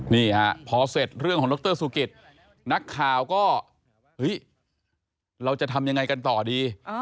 นี่ฮะพอเสร็จเรื่องของดรสุกิตนักข่าวก็เฮ้ยเราจะทำยังไงกันต่อดี